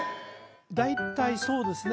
大体そうですね